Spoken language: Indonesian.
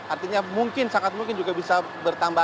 artinya mungkin sangat mungkin juga bisa bertambah